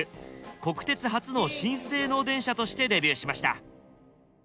国鉄初の新性能電車としてデビューしました。